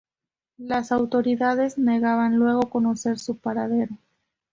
Las autoridades negaban luego conocer su paradero.